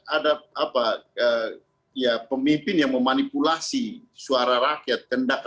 ada pemimpin yang memanipulasi suara rakyat kendak rakyat